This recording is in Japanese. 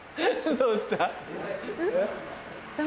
どうした？